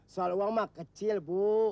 soal uang mah kecil bu